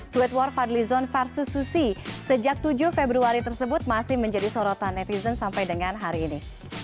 tweet war fadlizon versus susi sejak tujuh februari tersebut masih menjadi sorotan netizen sampai dengan hari ini